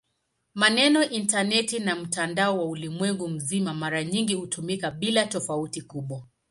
Maneno "intaneti" na "mtandao wa ulimwengu mzima" mara nyingi hutumika bila tofauti kubwa.